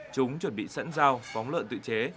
chúng chuẩn bị sẵn giao phóng lợn tự chế